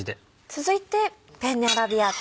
続いてペンネアラビアータ。